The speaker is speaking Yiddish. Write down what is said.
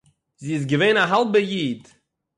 זי איז געווען אַ האַלבע-איד